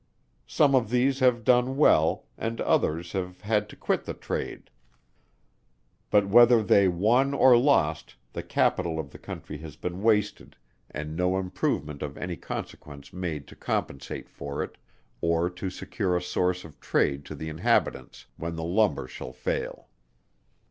Some of these have done well, and others have had to quit the trade: but whether they won or lost the capital of the country has been wasted, and no improvement of any consequence made to compensate for it, or to secure a source of trade to the inhabitants, when the lumber shall fail.